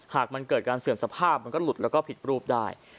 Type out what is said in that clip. หากมันเกิดการเสื่อมสภาพมันก็หลุดแล้วก็ผิดรูปได้